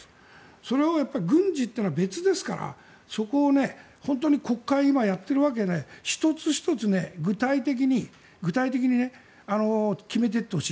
それを軍事というのは別ですからそこを本当に国会、今やっているわけなので１つ１つ具体的に決めていってほしい。